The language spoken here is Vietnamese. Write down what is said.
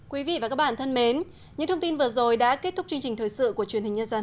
quý vị và các bạn thân mến những thông tin vừa rồi đã kết thúc chương trình thời sự của truyền hình nhân dân